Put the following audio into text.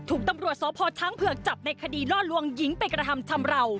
ถูกตำรวจสพช้างเผือกจับในคดีล่อลวงหญิงไปกระทำชำราว